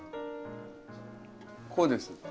こうです。